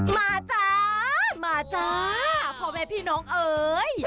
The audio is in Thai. มาจ้ามาจ้าพบให้พี่น้องเอ๋ย